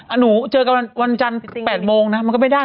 อ่าหนูเจอกันวันจันทร์ประตูแปดโมงน่ะมันก็ไม่ได้